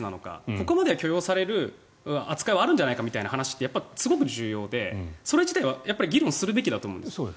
ここまでは許容される扱いはあるんじゃないかみたいな話ってすごく重要でそれ自体は議論するべきだと思うんです。